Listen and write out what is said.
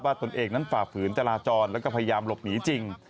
ตนเองนั้นฝ่าฝืนจราจรแล้วก็พยายามหลบหนีจริง